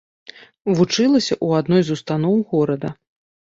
Вучылася ў адной з устаноў горада.